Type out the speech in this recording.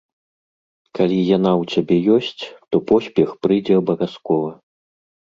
Калі яна ў цябе ёсць, то поспех прыйдзе абавязкова.